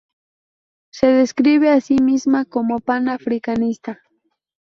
Se describe a sí misma como pan-africanista.